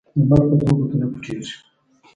لمر په دوو ګوتو نه پټيږي.